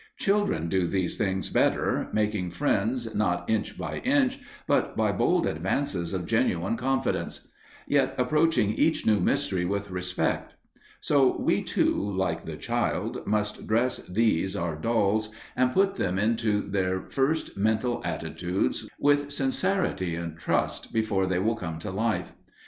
Children do these things better, making friends not inch by inch, but by bold advances of genuine confidence, yet approaching each new mystery with respect. So we, too, like the child, must dress these our dolls, and put them into their first mental attitudes with sincerity and trust before they will come to life.